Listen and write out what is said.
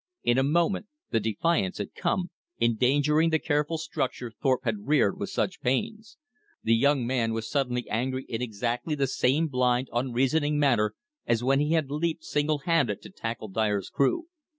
In a moment the defiance had come, endangering the careful structure Thorpe had reared with such pains. The young man was suddenly angry in exactly the same blind, unreasoning manner as when he had leaped single handed to tackle Dyer's crew.